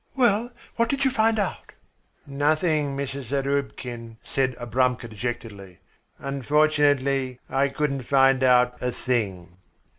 "Well, what did you find out?" "Nothing, Mrs. Zarubkin," said Abramka dejectedly. "Unfortunately I couldn't find out a thing."